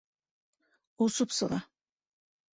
ОСОП СЫҒА